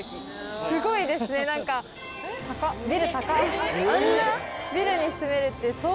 すごいですね何かビル高っ。